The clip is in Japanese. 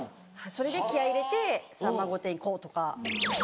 それで気合入れて『さんま御殿‼』行こうとか。